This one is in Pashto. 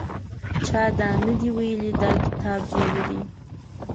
چا دا نه دي ویلي چې دا کتاب جعلي دی.